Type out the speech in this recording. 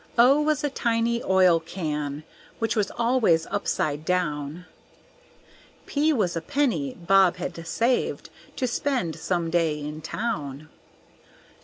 O was a tiny Oil can, which was always upside down; P was a Penny Bob had saved to spend some day in town.